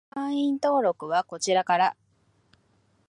会員登録はこちらから